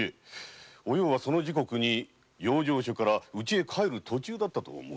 お葉はその時刻に養生所から家に帰る途中だったと。